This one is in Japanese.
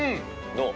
◆どう？